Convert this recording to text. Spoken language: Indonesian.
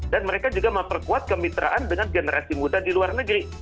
dan mereka juga memperkuat kemitraan dengan generasi muda di luar negeri